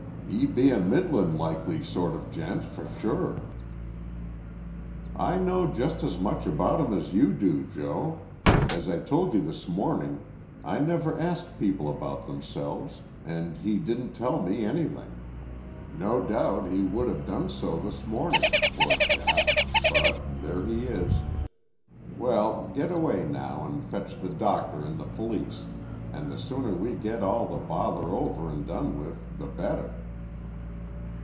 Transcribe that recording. "'E be a middlin' likely sort of gent, for sure." "I know just as much about him as you do, Joe. As I told you this morning I never ask people about themselves, and he didn't tell me anything. No doubt he would have done so this morning, poor chap, but there he is. Well, get away now and fetch the doctor and the police, and the sooner we get all the bother over and done with the better."